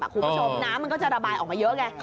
คุณผู้ชมน้ำมันก็จะระบายออกมาเยอะไง